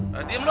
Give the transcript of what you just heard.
nah diam lu